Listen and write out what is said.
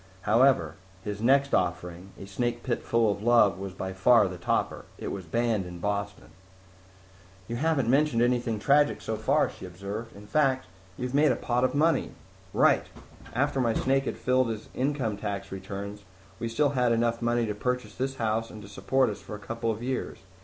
However, his next offering, A Snake Pit Full of Love, was by far the topper. It was banned in Boston." "You haven't mentioned anything tragic so far," she observed. "In fact, you have made a pot of money." "Right. After my snake had filed his income tax returns, we still had enough money to purchase this house and to support us for a couple of years.